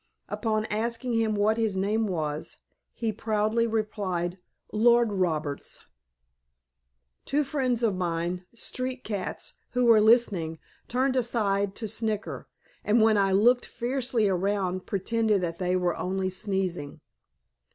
Upon asking him what his name was, he proudly replied, "Lord Roberts." Two friends of mine (street cats) who were listening, turned aside to snicker, and when I looked fiercely around pretended that they were only sneezing.